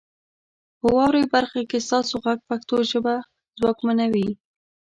په واورئ برخه کې ستاسو غږ پښتو ژبه ځواکمنوي.